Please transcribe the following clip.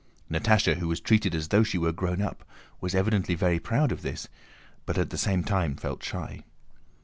Natásha, who was treated as though she were grown up, was evidently very proud of this but at the same time felt shy.